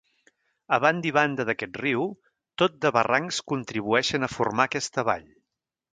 A banda i banda d'aquest riu, tot de barrancs contribueixen a formar aquesta vall.